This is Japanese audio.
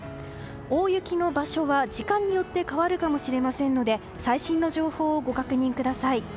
大雪の場所は時間によって変わるかもしれませんので最新の情報をご確認ください。